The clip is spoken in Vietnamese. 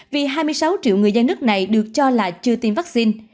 vì hai mươi sáu triệu người dân nước này được cho là chưa tiêm vaccine